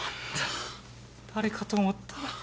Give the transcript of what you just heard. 誰かと思ったら。